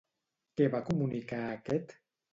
Què va comunicar aquest?